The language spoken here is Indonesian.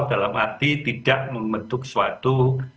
dalam arti tidak membentuk suatu